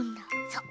そう！